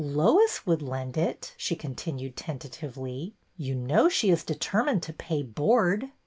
'' Lois would lend it," she continued tentatively. You know she is determined to pay board."